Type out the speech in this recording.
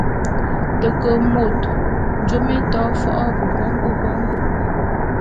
Te ke môt…jôm é to fo’o ve bongô bongô.